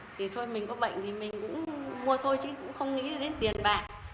thì thôi mình có bệnh thì mình cũng mua thôi chứ cũng không nghĩ là đến tiền bạc